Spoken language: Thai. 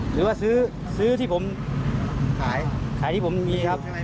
หรือว่าซื้อที่ผมขายขายที่ผมมีครับ